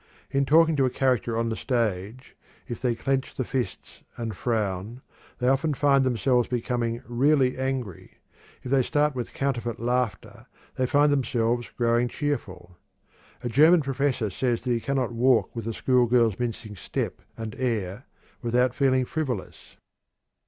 In talking to a character on the stage, if they clinch the fists and frown, they often find themselves becoming really angry; if they start with counterfeit laughter, they find themselves growing cheerful. A German professor says that he cannot walk with a schoolgirl's mincing step and air without feeling frivolous."